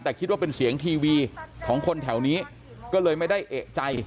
แต่คิดว่าเป็นเสียงทีวีของคนแถวนี้ก็เลยไม่ได้เอกใจ